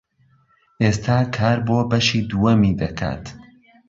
ئێستا کار بۆ بەشی دووەمی دەکات.